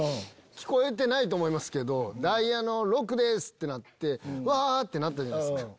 聞こえてないと思いますけどダイヤの６です！ってなってわ！ってなったじゃないっすか。